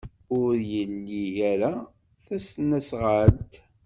Ur ili ara tasnasɣalt.